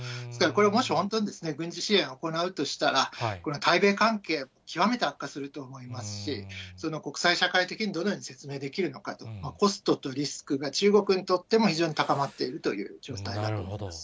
ですから、これ、もし本当に軍事支援を行うとしたら、これは対米関係、極めて悪化すると思いますし、国際社会的に、どのように説明できるのかと、コストとリスクが中国にとっても非常に高まっているという状態だなるほど。